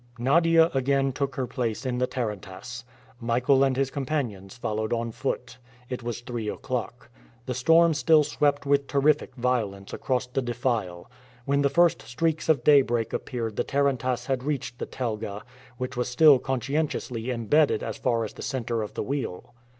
Nadia again took her place in the tarantass. Michael and his companions followed on foot. It was three o'clock. The storm still swept with terrific violence across the defile. When the first streaks of daybreak appeared the tarantass had reached the telga, which was still conscientiously imbedded as far as the center of the wheel.